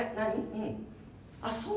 うんあっそう。